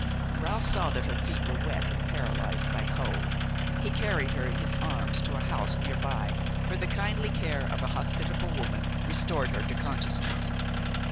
Ralph saw that her feet were wet and paralyzed by cold. He carried her in his arms to a house near by, where the kindly care of a hospitable woman restored her to consciousness.